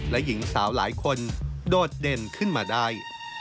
และหญิงสาวหลายคนโดดเด่นขึ้นมาได้